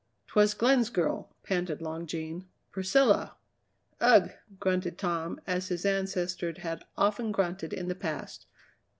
"'Twas Glenn's girl," panted Long Jean; "Priscilla!" "Ugh!" grunted Tom as his ancestors had often grunted in the past.